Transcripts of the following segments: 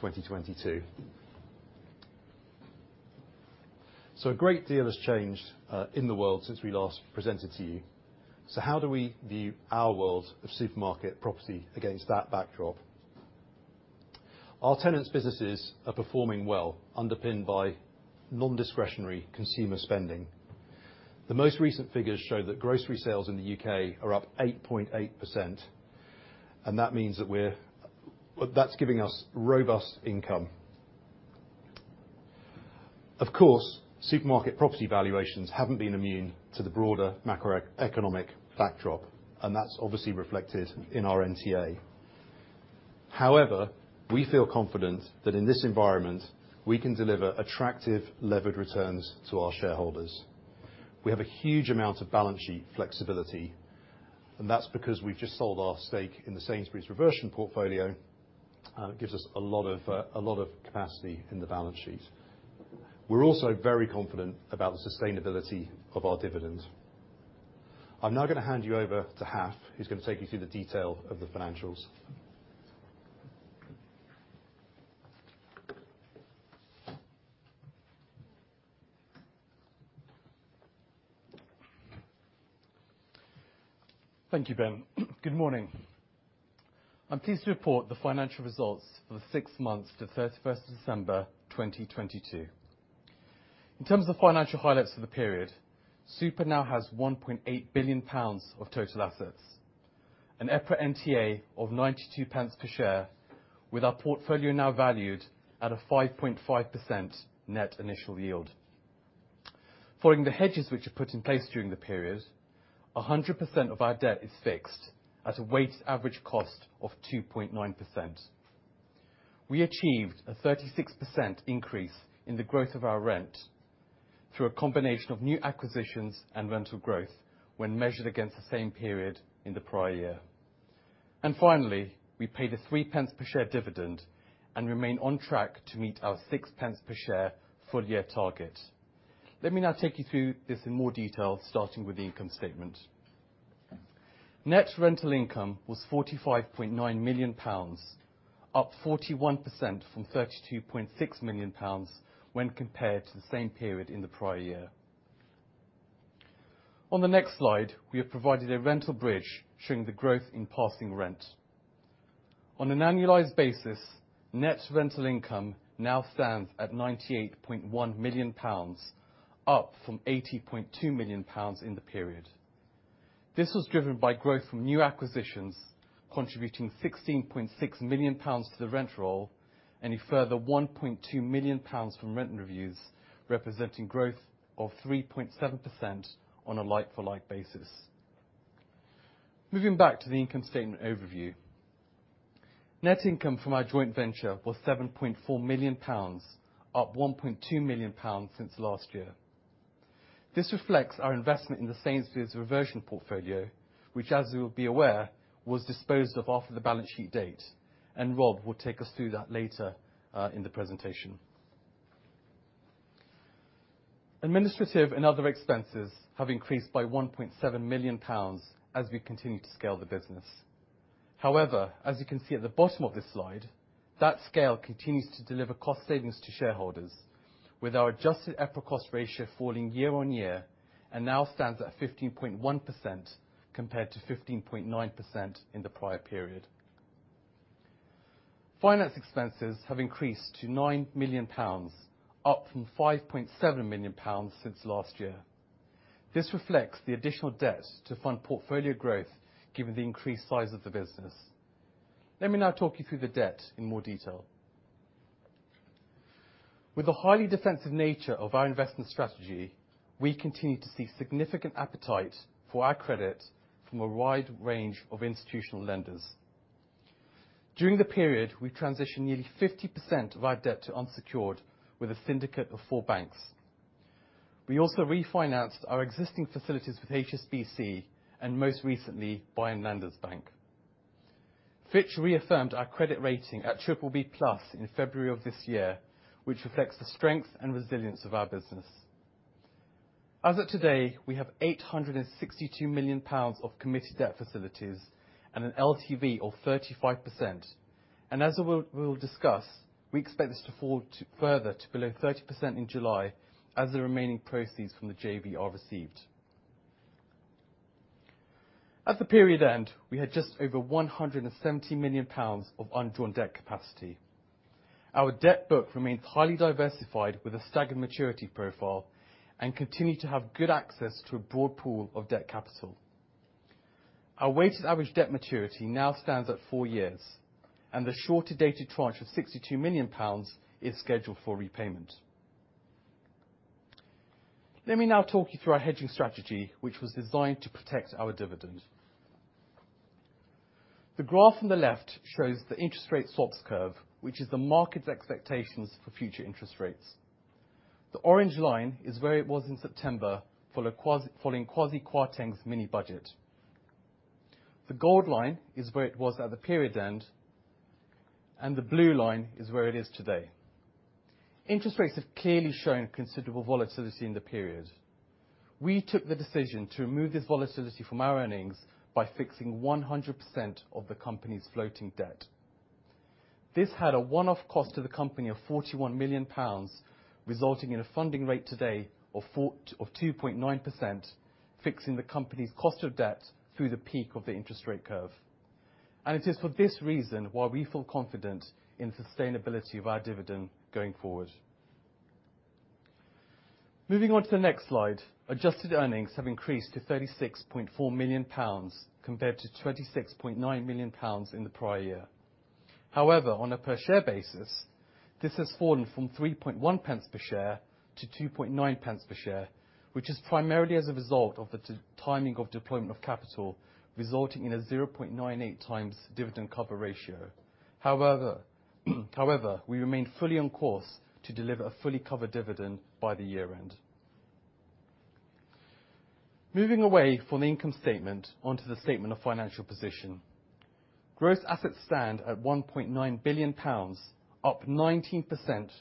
2022. A great deal has changed in the world since we last presented to you. How do we view our world of supermarket property against that backdrop? Our tenants' businesses are performing well, underpinned by non-discretionary consumer spending. The most recent figures show that grocery sales in the U.K. are up 8.8%, and that means that's giving us robust income. Of course, supermarket property valuations haven't been immune to the broader macroeconomic backdrop, and that's obviously reflected in our NTA. However, we feel confident that in this environment, we can deliver attractive levered returns to our shareholders. We have a huge amount of balance sheet flexibility, and that's because we've just sold our stake in the Sainsbury's Reversion Portfolio, and it gives us a lot of capacity in the balance sheet. We're also very confident about the sustainability of our dividends. I'm now gonna hand you over to Haf, who's gonna take you through the detail of the financials. Thank you, Ben. Good morning. I'm pleased to report the financial results for the six months to 31st of December, 2022. In terms of financial highlights for the period, Super now has 1.8 billion pounds of total assets, an EPRA NTA of 0.92 per share, with our portfolio now valued at a 5.5% net initial yield. Following the hedges which were put in place during the period, 100% of our debt is fixed at a weighted average cost of 2.9%. We achieved a 36% increase in the growth of our rent through a combination of new acquisitions and rental growth when measured against the same period in the prior year. Finally, we paid a 0.03 per share dividend and remain on track to meet our 0.06 pence per share full year target. Let me now take you through this in more detail, starting with the income statement. Net rental income was 45.9 million pounds, up 41% from 32.6 million pounds when compared to the same period in the prior year. On the next slide, we have provided a rental bridge showing the growth in passing rent. On an annualized basis, net rental income now stands at 98.1 million pounds, up from 80.2 million pounds in the period. This was driven by growth from new acquisitions, contributing 16.6 million pounds to the rent roll and a further 1.2 million pounds from rent reviews, representing growth of 3.7% on a like-for-like basis. Moving back to the income statement overview. Net income from our joint venture was 7.4 million pounds, up 1.2 million pounds since last year. This reflects our investment in the Sainsbury's Reversion Portfolio, which as you will be aware, was disposed of after the balance sheet date. Rob will take us through that later in the presentation. Administrative and other expenses have increased by 1.7 million pounds as we continue to scale the business. As you can see at the bottom of this slide, that scale continues to deliver cost savings to shareholders with our Adjusted EPRA Cost Ratio falling year-over-year and now stands at 15.1% compared to 15.9% in the prior period. Finance expenses have increased to 9 million pounds, up from 5.7 million pounds since last year. This reflects the additional debt to fund portfolio growth given the increased size of the business. Let me now talk you through the debt in more detail. With the highly defensive nature of our investment strategy, we continue to see significant appetite for our credit from a wide range of institutional lenders. During the period, we transitioned nearly 50% of our debt to unsecured with a syndicate of four banks. We also refinanced our existing facilities with HSBC and most recently Bayerische Landesbank. Fitch reaffirmed our credit rating at BBB+ in February of this year, which reflects the strength and resilience of our business. As of today, we have 862 million pounds of committed debt facilities and an LTV of 35%. As we'll discuss, we expect this to fall further to below 30% in July as the remaining proceeds from the JV are received. At the period end, we had just over 170 million pounds of undrawn debt capacity. Our debt book remains highly diversified with a staggered maturity profile and continue to have good access to a broad pool of debt capital. Our weighted average debt maturity now stands at four years, and the shorter dated tranche of GBP 62 million is scheduled for repayment. Let me now talk you through our hedging strategy, which was designed to protect our dividend. The graph on the left shows the interest rate swaps curve, which is the market's expectations for future interest rates. The orange line is where it was in September following Kwasi Kwarteng's mini-budget. The gold line is where it was at the period end. The blue line is where it is today. Interest rates have clearly shown considerable volatility in the period. We took the decision to remove this volatility from our earnings by fixing 100% of the company's floating debt. This had a one-off cost to the company of 41 million pounds, resulting in a funding rate today of 2.9%, fixing the company's cost of debt through the peak of the interest rate curve. It is for this reason why we feel confident in the sustainability of our dividend going forward. Moving on to the next slide, adjusted earnings have increased to 36.4 million pounds compared to 26.9 million pounds in the prior year. However, on a per share basis, this has fallen from 0.031 per share to 0.029 per share, which is primarily as a result of the timing of deployment of capital, resulting in a 0.98x dividend cover ratio. However, we remain fully on course to deliver a fully covered dividend by the year-end. Moving away from the income statement onto the statement of financial position. Gross assets stand at 1.9 billion pounds, up 19%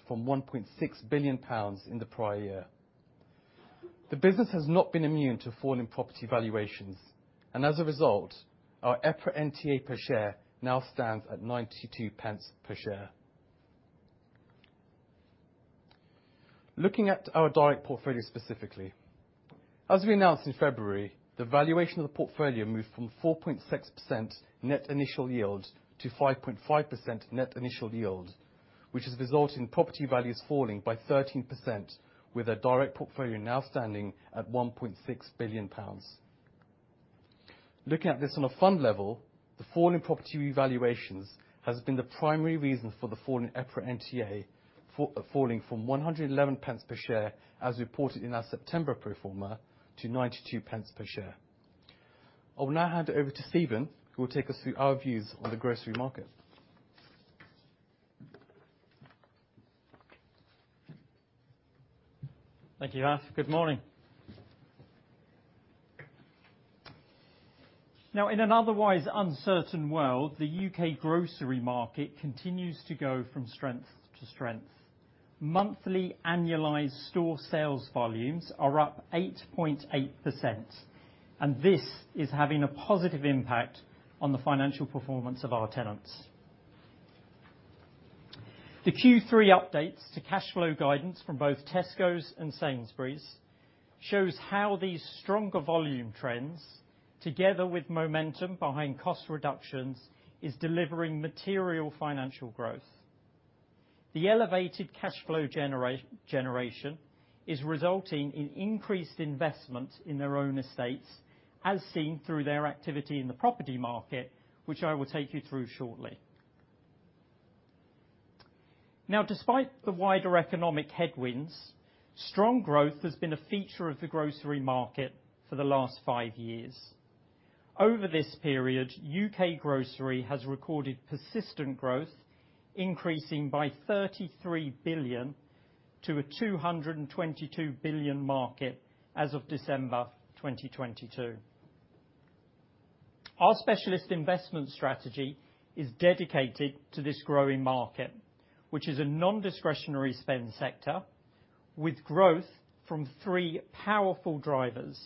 from 1.6 billion pounds in the prior year. The business has not been immune to falling property valuations, and as a result, our EPRA NTA per share now stands at 0.92 per share. Looking at our direct portfolio specifically, as we announced in February, the valuation of the portfolio moved from 4.6% net initial yield to 5.5% net initial yield, which has resulted in property values falling by 13% with our direct portfolio now standing at 1.6 billion pounds. Looking at this on a fund level, the fall in property valuations has been the primary reason for the falling in EPRA NTA, falling from 1.11 per share as reported in our September pro forma to 0.92 per share. I will now hand it over to Steven, who will take us through our views on the grocery market. Thank you, Haf. Good morning. In an otherwise uncertain world, the U.K. grocery market continues to go from strength-to-strength. Monthly annualized store sales volumes are up 8.8%, and this is having a positive impact on the financial performance of our tenants. The Q3 updates to cash flow guidance from both Tesco and Sainsbury's shows how these stronger volume trends, together with momentum behind cost reductions, is delivering material financial growth. The elevated cash flow generation is resulting in increased investment in their own estates, as seen through their activity in the property market, which I will take you through shortly. Despite the wider economic headwinds, strong growth has been a feature of the grocery market for the last five years. Over this period, U.K. grocery has recorded persistent growth, increasing by 33 billion to a 222 billion market as of December 2022. Our specialist investment strategy is dedicated to this growing market, which is a nondiscretionary spend sector with growth from three powerful drivers,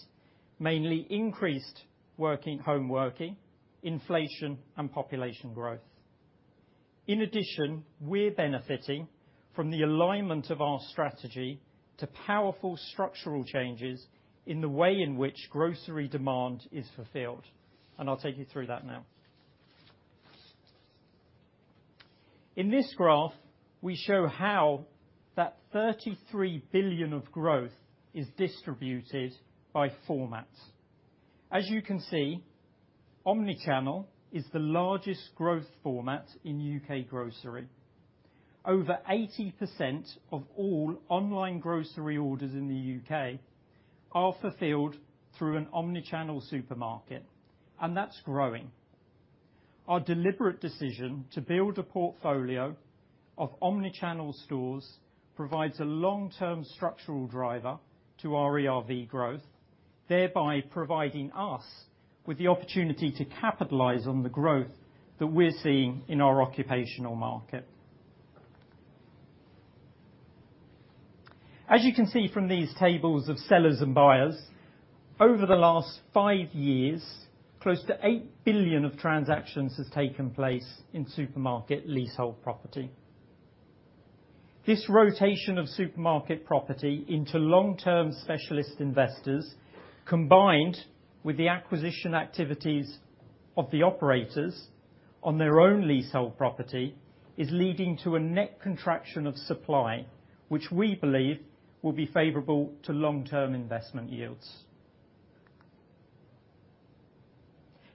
mainly increased working, home working, inflation, and population growth. We're benefiting from the alignment of our strategy to powerful structural changes in the way in which grocery demand is fulfilled. I'll take you through that now. In this graph, we show how that 33 billion of growth is distributed by format. As you can see, omnichannel is the largest growth format in U.K. grocery. Over 80% of all online grocery orders in the U.K. are fulfilled through an omnichannel supermarket, and that's growing. Our deliberate decision to build a portfolio of omnichannel stores provides a long-term structural driver to our ERV growth, thereby providing us with the opportunity to capitalize on the growth that we're seeing in our occupational market. As you can see from these tables of sellers and buyers, over the last five years, close to 8 billion of transactions has taken place in supermarket leasehold property. This rotation of supermarket property into long-term specialist investors, combined with the acquisition activities of the operators on their own leasehold property, is leading to a net contraction of supply, which we believe will be favorable to long-term investment yields.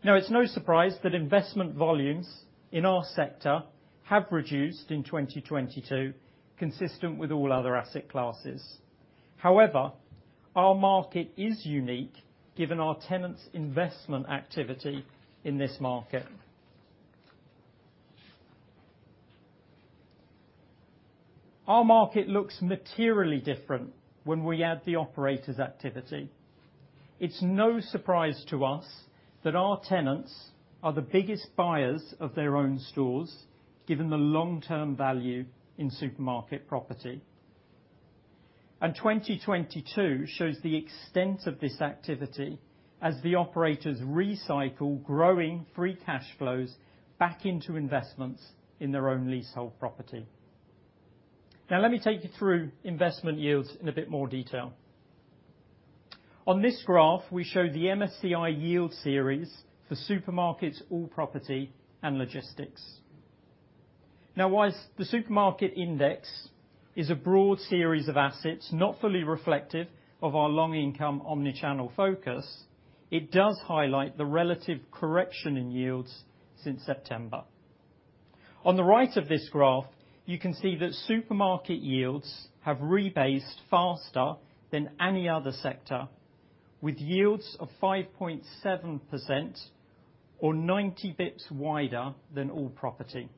It's no surprise that investment volumes in our sector have reduced in 2022, consistent with all other asset classes. However, our market is unique given our tenants' investment activity in this market. Our market looks materially different when we add the operators' activity. It's no surprise to us that our tenants are the biggest buyers of their own stores, given the long-term value in supermarket property. 2022 shows the extent of this activity as the operators recycle growing free cash flows back into investments in their own leasehold property. Let me take you through investment yields in a bit more detail. On this graph, we show the MSCI yield series for supermarkets, all property, and logistics. While the supermarket index is a broad series of assets, not fully reflective of our long income omnichannel focus, it does highlight the relative correction in yields since September. On the right of this graph, you can see that supermarket yields have rebased faster than any other sector, with yields of 5.7% or 90 basis points wider than all property.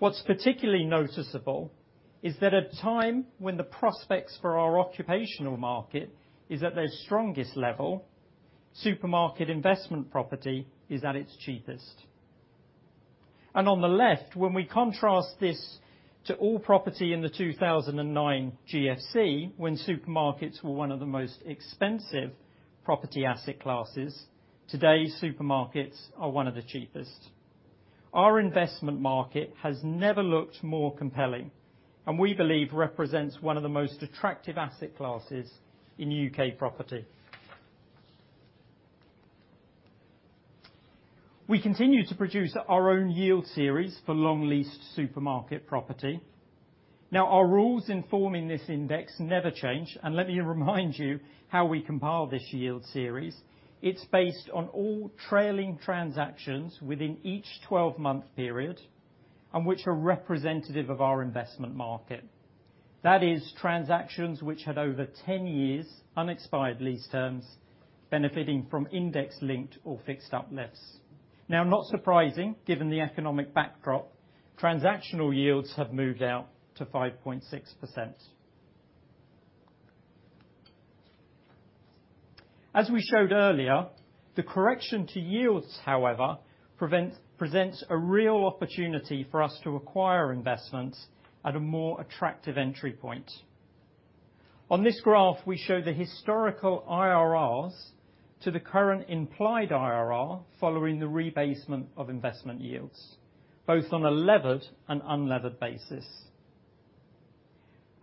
What's particularly noticeable is that, at a time when the prospects for our occupational market is at their strongest level, supermarket investment property is at its cheapest. On the left, when we contrast this to all property in the 2009 GFC, when supermarkets were one of the most expensive property asset classes, today, supermarkets are one of the cheapest. Our investment market has never looked more compelling, and we believe represents one of the most attractive asset classes in U.K. property. We continue to produce our own yield series for long leased supermarket property. Our rules in forming this index never change, and let me remind you how we compile this yield series. It's based on all trailing transactions within each 12-month period, and which are representative of our investment market. That is transactions which had over 10 years' unexpired lease terms benefiting from index linked or fixed uplifts. Not surprising, given the economic backdrop, transactional yields have moved out to 5.6%. As we showed earlier, the correction to yields, however, presents a real opportunity for us to acquire investments at a more attractive entry point. On this graph, we show the historical IRRs to the current implied IRR following the rebasement of investment yields, both on a levered and unlevered basis.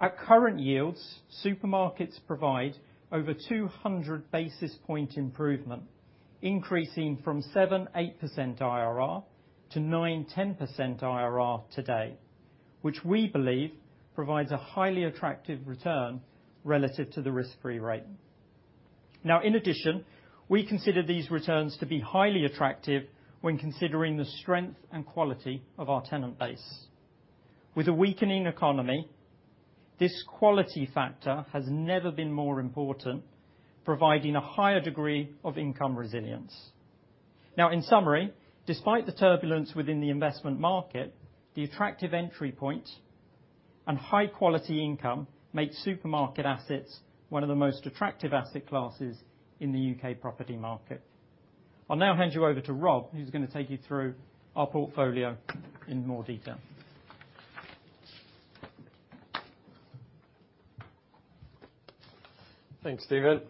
At current yields, supermarkets provide over 200 basis point improvement, increasing from 7%-8% IRR to 9%-10% IRR today, which we believe provides a highly attractive return relative to the risk-free rate. In addition, we consider these returns to be highly attractive when considering the strength and quality of our tenant base. With a weakening economy, this quality factor has never been more important, providing a higher degree of income resilience. Now, in summary, despite the turbulence within the investment market, the attractive entry point and high quality income makes supermarket assets one of the most attractive asset classes in the U.K. property market. I'll now hand you over to Rob, who's gonna take you through our portfolio in more detail. Thanks, Steven.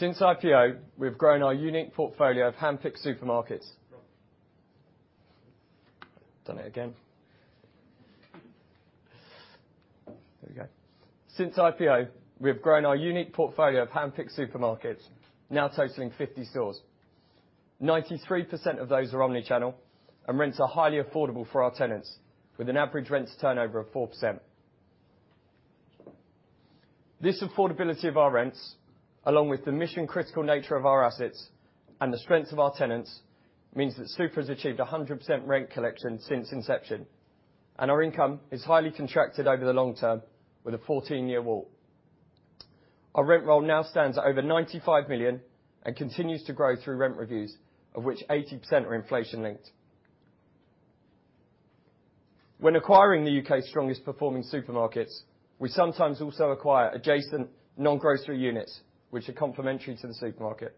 Since IPO, we have grown our unique portfolio of handpicked supermarkets, now totaling 50 stores. 93% of those are omnichannel, and rents are highly affordable for our tenants, with an average rent to turnover of 4%. This affordability of our rents, along with the mission-critical nature of our assets and the strength of our tenants, means that Super has achieved 100% rent collection since inception, and our income is highly contracted over the long term with a 14-year WAULT. Our rent roll now stands at over 95 million and continues to grow through rent reviews, of which 80% are inflation-linked. When acquiring the U.K.'s strongest performing supermarkets, we sometimes also acquire adjacent non-grocery units which are complementary to the supermarket.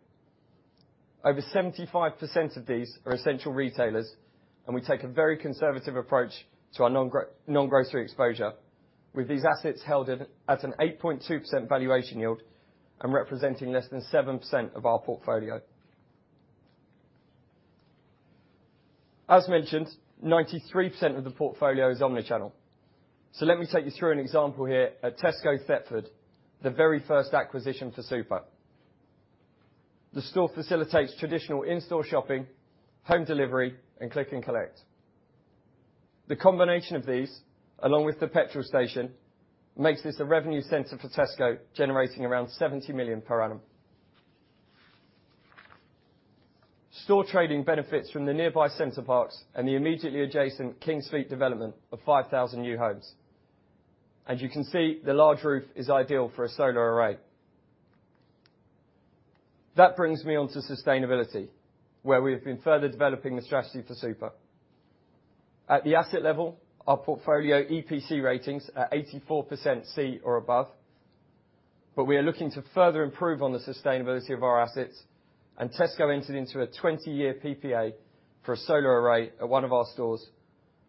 Over 75% of these are essential retailers, we take a very conservative approach to our non-grocery exposure with these assets held at an 8.2% valuation yield and representing less than 7% of our portfolio. As mentioned, 93% of the portfolio is omnichannel. Let me take you through an example here at Tesco Thetford, the very first acquisition for Super. The store facilitates traditional in-store shopping, home delivery, and click and collect. The combination of these, along with the petrol station, makes this a revenue center for Tesco, generating around 70 million per annum. Store trading benefits from the nearby Center Parcs and the immediately adjacent King Street development of 5,000 new homes. As you can see, the large roof is ideal for a solar array. Brings me on to sustainability, where we have been further developing the strategy for Super. At the asset level, our portfolio EPC ratings are 84% C or above, but we are looking to further improve on the sustainability of our assets. Tesco entered into a 20-year PPA for a solar array at one of our stores,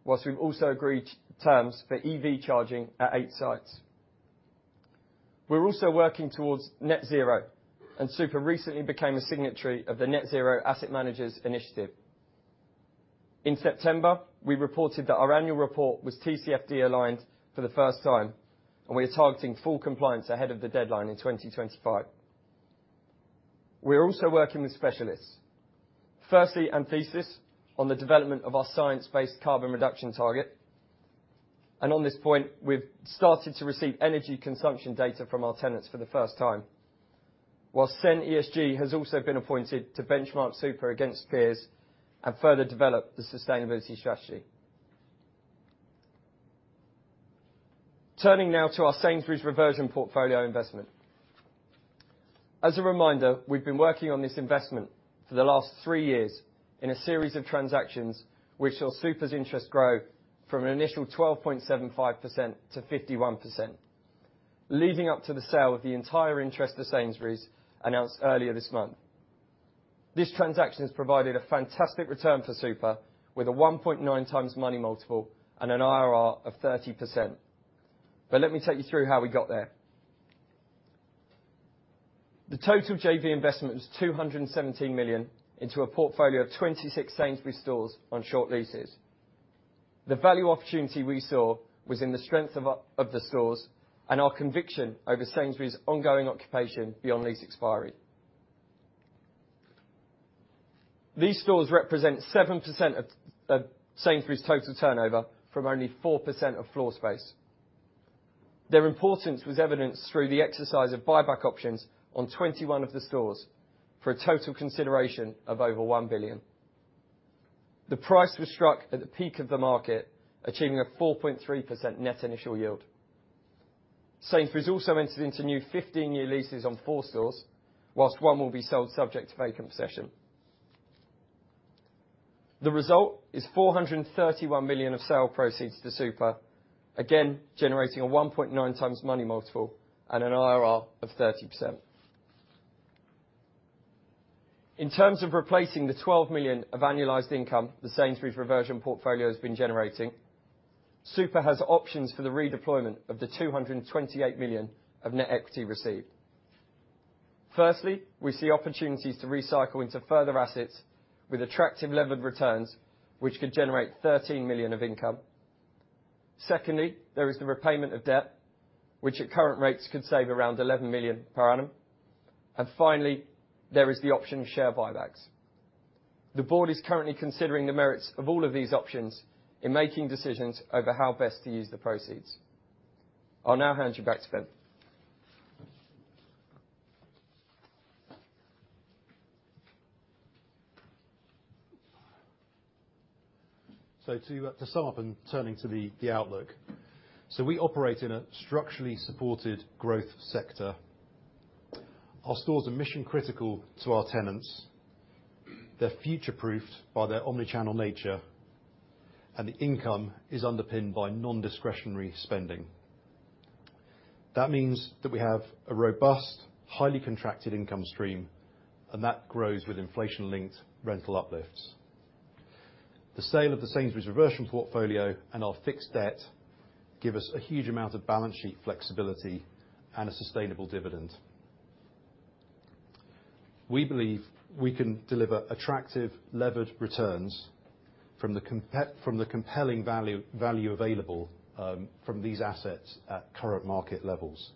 whilst we've also agreed terms for EV charging at eight sites. We're also working towards net zero, and Super recently became a signatory of the Net Zero Asset Managers initiative. In September, we reported that our annual report was TCFD aligned for the first time, and we are targeting full compliance ahead of the deadline in 2025. We are also working with specialists. Firstly, Anthesis on the development of our science-based carbon reduction target. On this point, we've started to receive energy consumption data from our tenants for the first time. Whilst CEN-ESG has also been appointed to benchmark Super against peers and further develop the sustainability strategy. Turning now to our Sainsbury's Reversion Portfolio investment. As a reminder, we've been working on this investment for the last three years in a series of transactions which saw Super's interest grow from an initial 12.75%-51%, leading up to the sale of the entire interest to Sainsbury's announced earlier this month. This transaction has provided a fantastic return for Super with a 1.9x money multiple and an IRR of 30%. Let me take you through how we got there. The total JV investment was 217 million into a portfolio of 26 Sainsbury's stores on short leases. The value opportunity we saw was in the strength of the stores and our conviction over Sainsbury's ongoing occupation beyond lease expiry. These stores represent 7% of Sainsbury's total turnover from only 4% of floor space. Their importance was evidenced through the exercise of buyback options on 21 of the stores for a total consideration of over 1 billion. The price was struck at the peak of the market, achieving a 4.3% net initial yield. Sainsbury's also entered into new 15-year leases on four stores, whilst one will be sold subject to vacant possession. The result is 431 million of sale proceeds to Super, again, generating a 1.9x money multiple and an IRR of 30%. In terms of replacing the 12 million of annualized income the Sainsbury's Reversion Portfolio has been generating, Super has options for the redeployment of the 228 million of net equity received. We see opportunities to recycle into further assets with attractive levered returns, which could generate 13 million of income. There is the repayment of debt, which at current rates could save around 11 million per annum. Finally, there is the option of share buybacks. The board is currently considering the merits of all of these options in making decisions over how best to use the proceeds. I'll now hand you back to Ben. To sum up and turning to the outlook. We operate in a structurally supported growth sector. Our stores are mission critical to our tenants. They're future-proofed by their omnichannel nature, and the income is underpinned by non-discretionary spending. That means that we have a robust, highly contracted income stream, and that grows with inflation-linked rental uplifts. The sale of the Sainsbury's Reversion Portfolio and our fixed debt give us a huge amount of balance sheet flexibility and a sustainable dividend. We believe we can deliver attractive levered returns from the compelling value available from these assets at current market levels.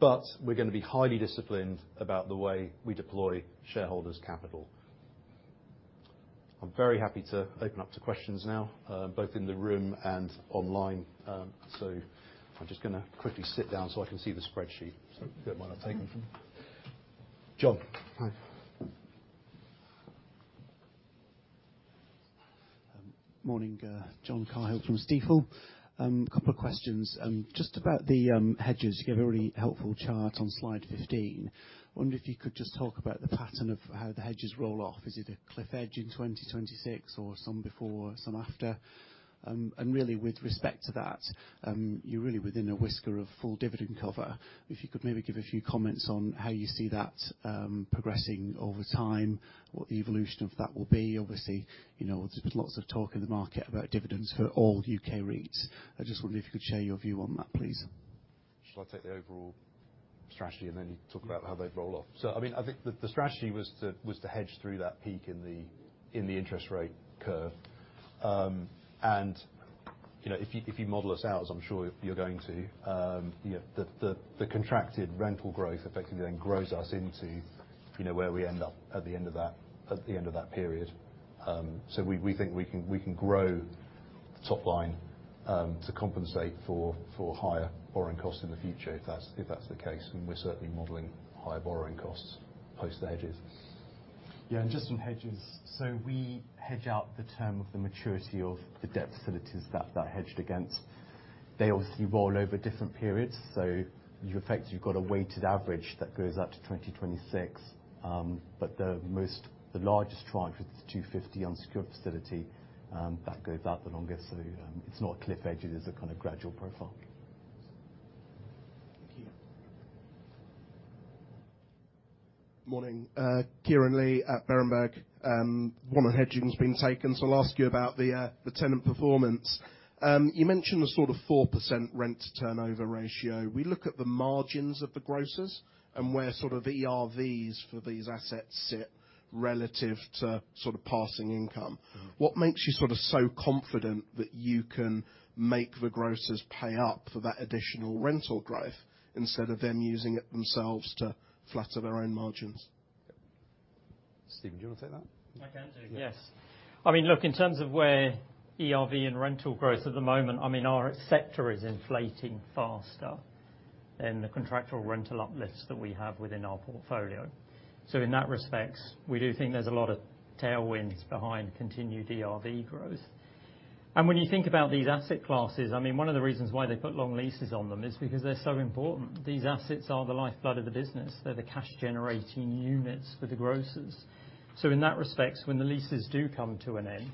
We're gonna be highly disciplined about the way we deploy shareholders' capital. I'm very happy to open up to questions now, both in the room and online. I'm just gonna quickly sit down so I can see the spreadsheet, so don't mind if I take it from you. John? Hi. Morning, John Cahill from Stifel. A couple of questions just about the hedges. You gave a really helpful chart on slide 15. I wonder if you could just talk about the pattern of how the hedges roll off. Is it a cliff edge in 2026, or some before, some after? Really with respect to that, you're really within a whisker of full dividend cover. If you could maybe give a few comments on how you see that progressing over time, what the evolution of that will be. Obviously, you know, there's lots of talk in the market about dividends for all U.K. REITs. I just wonder if you could share your view on that, please. Shall I take the overall strategy and then talk about how they roll off? I mean, I think the strategy was to hedge through that peak in the interest rate curve. You know, if you model us out, as I'm sure you're going to, you know, the contracted rental growth effectively then grows us into, you know, where we end up at the end of that period. We think we can grow the top line to compensate for higher borrowing costs in the future, if that's the case. We're certainly modeling higher borrowing costs post the hedges. Yeah, just on hedges. We hedge out the term of the maturity of the debt facilities that hedged against. They obviously roll over different periods, so you in fact, you've got a weighted average that goes out to 2026. The most, the largest tranche with the 250 unsecured facility, that goes out the longest. It's not a cliff edge, it is a kinda gradual profile. Thank you. Morning. Kieran Lee at Berenberg. One of the hedging has been taken, so I'll ask you about the tenant performance. You mentioned the sort of 4% rent to turnover ratio. We look at the margins of the grocers and where sort of ERVs for these assets sit relative to sort of passing income. Mm-hmm. What makes you sort of so confident that you can make the grocers pay up for that additional rental growth, instead of them using it themselves to flatter their own margins? Steven, do you wanna take that? I can do, yes. Yeah. I mean, look, in terms of where ERV and rental growth at the moment, I mean, our sector is inflating faster in the contractual rental uplifts that we have within our portfolio. In that respect, we do think there's a lot of tailwinds behind continued ERV growth. When you think about these asset classes, I mean, one of the reasons why they put long leases on them is because they're so important. These assets are the lifeblood of the business. They're the cash generating units for the grocers. In that respect, when the leases do come to an end,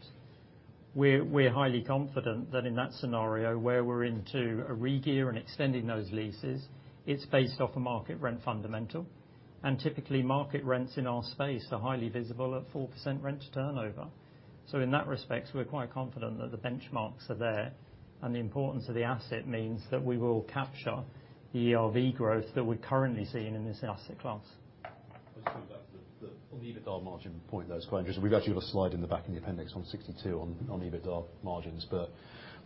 we're highly confident that in that scenario where we're into a regear and extending those leases, it's based off a market rent fundamental. Typically, market rents in our space are highly visible at 4% rent turnover. In that respect, we're quite confident that the benchmarks are there, and the importance of the asset means that we will capture ERV growth that we're currently seeing in this asset class. Just to go back to the on the EBITDA margin point, those queries. We've actually got a slide in the back in the appendix on 62 on EBITDA margins.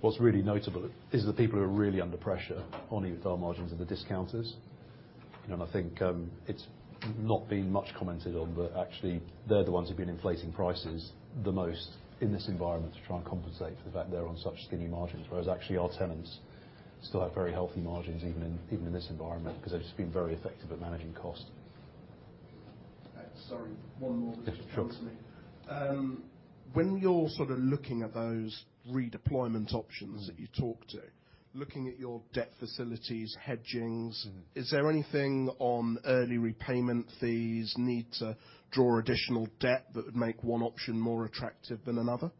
What's really notable is the people who are really under pressure on EBITDA margins are the discounters. You know, I think, it's not been much commented on, but actually they're the ones who've been inflating prices the most in this environment to try and compensate for the fact they're on such skinny margins. Whereas actually our tenants still have very healthy margins, even in this environment, 'cause they've just been very effective at managing cost. Sorry, one more just occurred to me. Sure. When you're sort of looking at those redeployment options that you talked to, looking at your debt facilities. Mm-hmm. Is there anything on early repayment fees, need to draw additional debt that would make one option more attractive than another?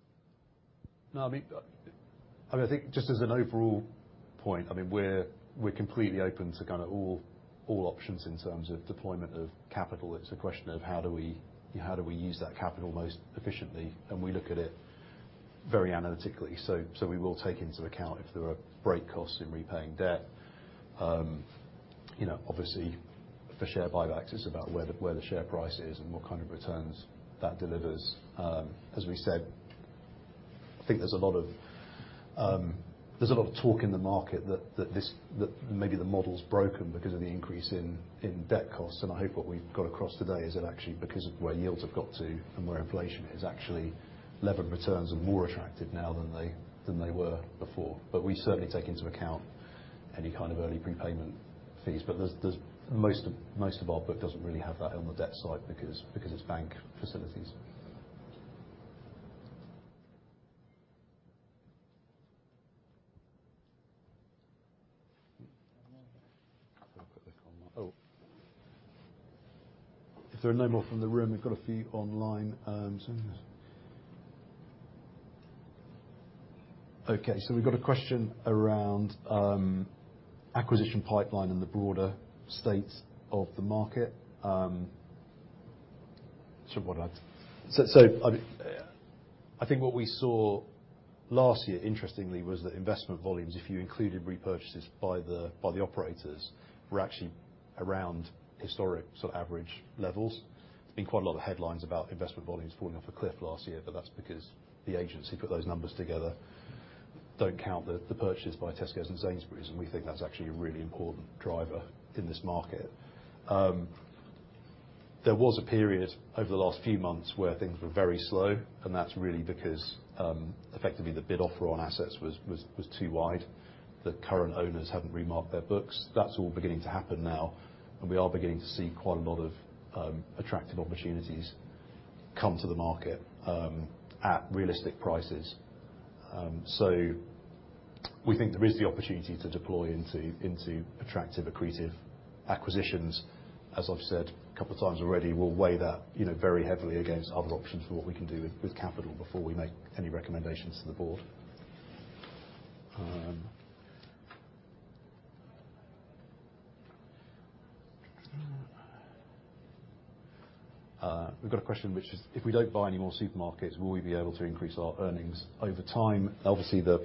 No, I mean, I think just as an overall point, I mean, we're completely open to kinda all options in terms of deployment of capital. It's a question of how do we use that capital most efficiently, and we look at it very analytically. We will take into account if there are break costs in repaying debt. You know, obviously for share buybacks, it's about where the share price is and what kind of returns that delivers. As we said, I think there's a lot of talk in the market that this, that maybe the model's broken because of the increase in debt costs. I hope what we've got across today is that actually because of where yields have got to and where inflation is actually levered returns are more attractive now than they were before. We certainly take into account any kind of early prepayment fees. There's most of our book doesn't really have that on the debt side because it's bank facilities. I'll put the call on. Oh. If there are no more from the room, we've got a few online. Okay, we've got a question around acquisition pipeline and the broader state of the market. I mean, I think what we saw last year, interestingly, was that investment volumes, if you included repurchases by the, by the operators, were actually around historic sort of average levels. There's been quite a lot of headlines about investment volumes falling off a cliff last year. That's because the agency put those numbers together. Don't count the purchases by Tesco and Sainsbury's. We think that's actually a really important driver in this market. There was a period over the last few months where things were very slow. That's really because effectively the bid offer on assets was too wide. The current owners haven't remarked their books. That's all beginning to happen now. We are beginning to see quite a lot of attractive opportunities come to the market at realistic prices. We think there is the opportunity to deploy into attractive, accretive acquisitions. As I've said a couple times already, we'll weigh that, you know, very heavily against other options for what we can do with capital before we make any recommendations to the board. We've got a question which is, if we don't buy any more supermarkets, will we be able to increase our earnings over time? Obviously, the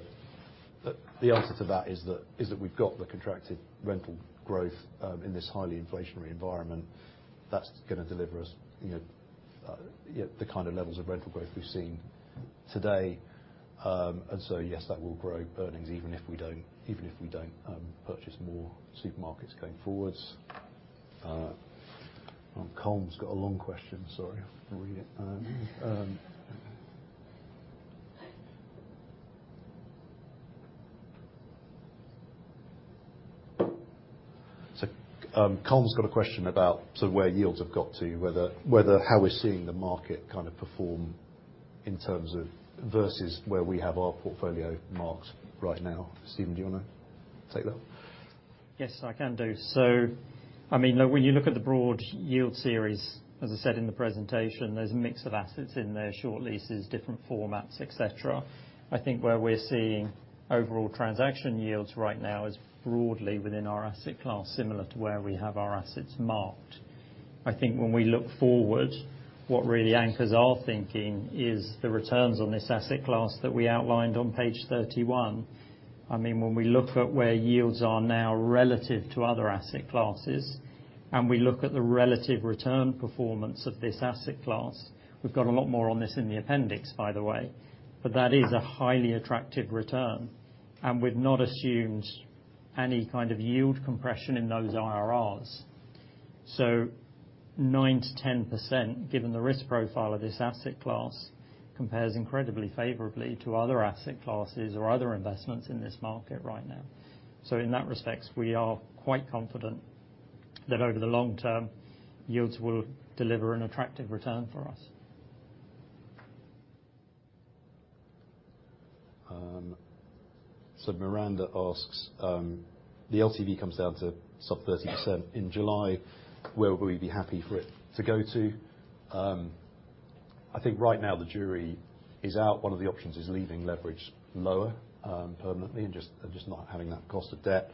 answer to that is that we've got the contracted rental growth in this highly inflationary environment. That's gonna deliver us, you know, the kind of levels of rental growth we've seen today. Yes, that will grow earnings even if we don't purchase more supermarkets going forwards. Colm's got a long question. Sorry. I'll read it. Colm's got a question about sort of where yields have got to, whether how we're seeing the market kind of perform in terms of versus where we have our portfolio marked right now. Steven, do you wanna take that? Yes, I can do. I mean, when you look at the broad yield series, as I said in the presentation, there's a mix of assets in there, short leases, different formats, et cetera. I think where we're seeing overall transaction yields right now is broadly within our asset class, similar to where we have our assets marked. I think when we look forward, what really anchors our thinking is the returns on this asset class that we outlined on page 31. I mean, when we look at where yields are now relative to other asset classes, and we look at the relative return performance of this asset class, we've got a lot more on this in the appendix, by the way. That is a highly attractive return, and we've not assumed any kind of yield compression in those IRRs. 9%-10%, given the risk profile of this asset class, compares incredibly favorably to other asset classes or other investments in this market right now. In that respect, we are quite confident that over the long term, yields will deliver an attractive return for us. Miranda asks, the LTV comes down to sub 30% in July, where will you be happy for it to go to? I think right now the jury is out. One of the options is leaving leverage lower, permanently and just not having that cost of debt.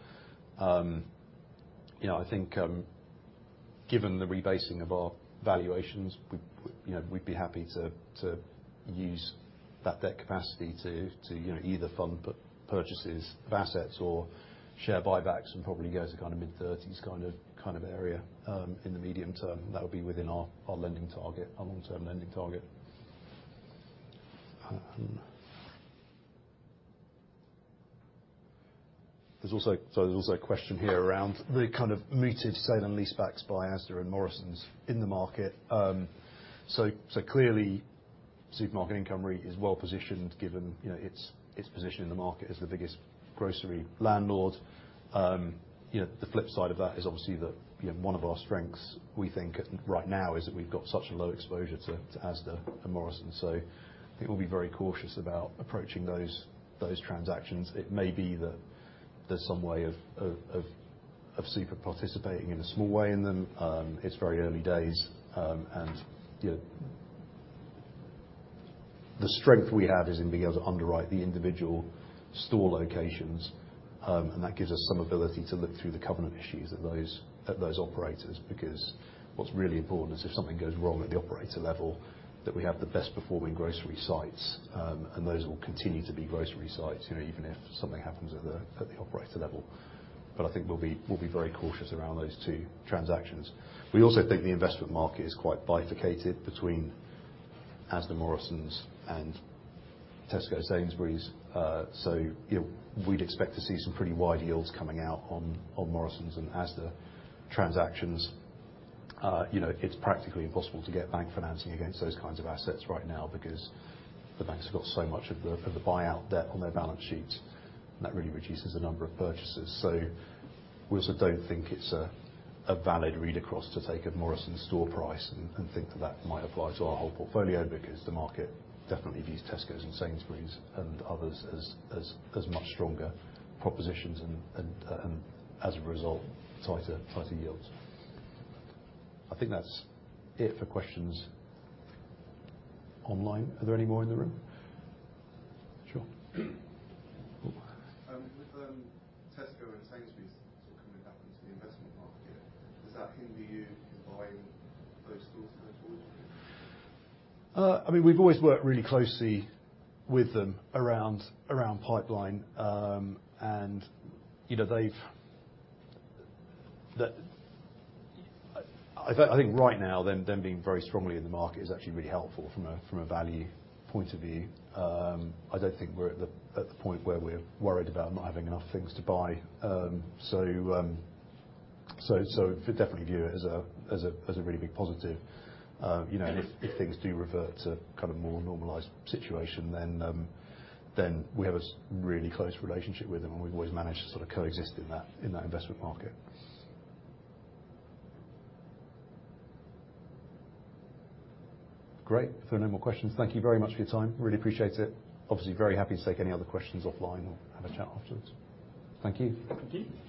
You know, I think, given the rebasing of our valuations, we, you know, we'd be happy to use that debt capacity to, you know, either fund purchases of assets or share buybacks and probably go to mid-30s kind of area in the medium term. That would be within our lending target, our long-term lending target. There's also a question here around the kind of mooted sale and leasebacks by Asda and Morrisons in the market. Clearly, Supermarket Income REIT is well-positioned given, you know, its position in the market as the biggest grocery landlord. You know, the flip side of that is obviously that, you know, one of our strengths, we think, right now is that we've got such a low exposure to Asda and Morrisons, so I think we'll be very cautious about approaching those transactions. It may be that there's some way of Super participating in a small way in them. It's very early days. You know, the strength we have is in being able to underwrite the individual store locations. That gives us some ability to look through the covenant issues at those operators, because what's really important is if something goes wrong at the operator level, that we have the best performing grocery sites, and those will continue to be grocery sites, you know, even if something happens at the operator level. I think we'll be very cautious around those two transactions. We also think the investment market is quite bifurcated between Asda, Morrisons and Tesco, Sainsbury's. You know, we'd expect to see some pretty wide yields coming out on Morrisons and Asda transactions. You know, it's practically impossible to get bank financing against those kinds of assets right now because the banks have got so much of the buyout debt on their balance sheets, and that really reduces the number of purchases. We also don't think it's a valid read-across to take a Morrisons store price and think that that might apply to our whole portfolio because the market definitely views Tesco and Sainsbury's and others as much stronger propositions and as a result, tighter yields. I think that's it for questions online. Are there any more in the room? Sure. With Tesco and Sainsbury's sort of coming back into the investment market, does that hinder you in buying those stores going forward? I mean, we've always worked really closely with them around pipeline. You know, I think right now then, them being very strongly in the market is actually really helpful from a, from a value point of view. I don't think we're at the, at the point where we're worried about not having enough things to buy. We definitely view it as a, as a, as a really big positive. You know, if things do revert to kind of a more normalized situation then we have a really close relationship with them, and we've always managed to sort of coexist in that, in that investment market. Great. If there are no more questions, thank you very much for your time. Really appreciate it. Obviously, very happy to take any other questions offline or have a chat afterwards. Thank you. Thank you.